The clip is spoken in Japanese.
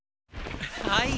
はい。